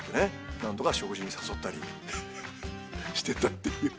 何度か食事に誘ったりしてたっていう。